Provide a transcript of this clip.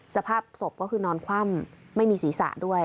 สภาพศพก็คือนอนคว่ำไม่มีศีรษะด้วย